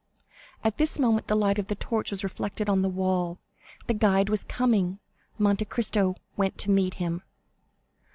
At this moment the light of the torch was reflected on the wall; the guide was coming; Monte Cristo went to meet him.